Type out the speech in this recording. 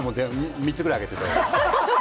３つぐらいあげてた。